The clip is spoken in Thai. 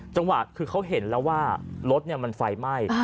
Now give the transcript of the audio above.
จังหวะคือเขาเห็นแล้วว่ารถมันไฟไหม้